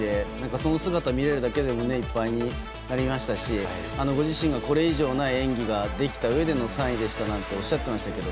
その姿が見られるだけで胸いっぱいになりましたしご自身がこれ以上ない演技ができたうえでの３位でしたなんておっしゃってましたけど